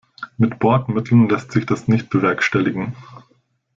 Mit Bordmitteln lässt sich das nicht bewerkstelligen.